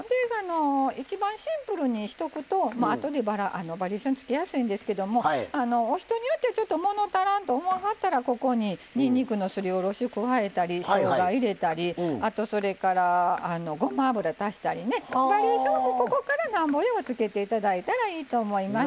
一番シンプルにしとくとあとでバリエーションつけやすいんですけどもあの人によってはちょっともの足らんと思わはったらここににんにくのすりおろしを加えたりしょうが入れたりあとそれからごま油足したりねバリエーションをここからなんぼでもつけて頂いたらいいと思います。